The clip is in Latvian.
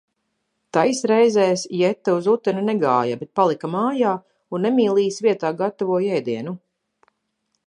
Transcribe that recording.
Tais reizēs Jeta uz uteni negāja, bet palika mājā un Emīlijas vietā gatavoja ēdienu.